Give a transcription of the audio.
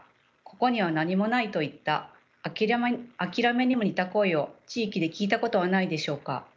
「ここには何もない」といった諦めにも似た声を地域で聞いたことはないでしょうか。